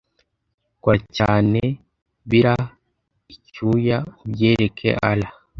kora cyane bira icyuya ubyereke allah